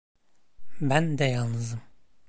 Ben de yalnızım.